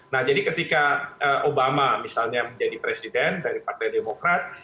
nah jadi ketika obama misalnya menjadi presiden dari partai demokrat